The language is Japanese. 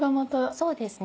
そうですね